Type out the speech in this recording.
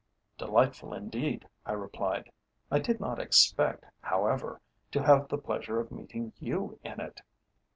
"Delightful indeed," I replied. "I did not expect, however, to have the pleasure of meeting you in it."